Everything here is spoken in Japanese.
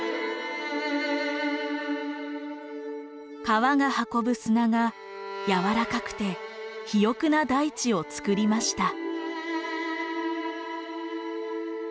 河が運ぶ砂がやわらかくて肥沃な大地をつくりました。